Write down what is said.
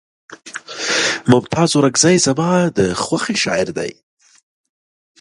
ممتاز اورکزے زما د خوښې شاعر دے